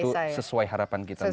itu sesuai harapan kita semua